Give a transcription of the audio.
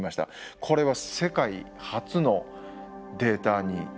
これは世界初のデータになります。